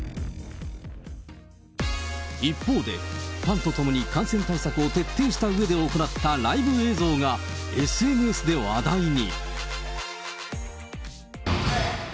一方でファンとともに感染対策を徹底したうえで行ったライブ映像が、ＳＮＳで話題に。